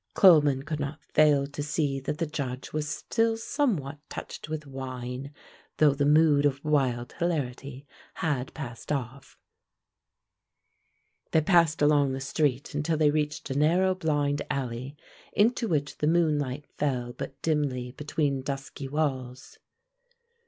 Coleman could not fail to see that the Judge was still somewhat touched with wine, though the mood of wild hilarity had passed off. They passed along the street until they reached a narrow blind alley into which the moonlight fell but dimly between dusky walls.